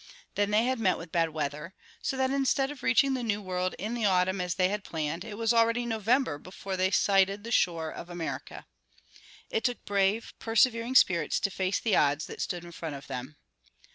Then they had met with bad weather, so that instead of reaching the new world in the autumn as they had planned, it was already November before they sighted the shore of America. It took brave, persevering spirits to face the odds that stood in front of them.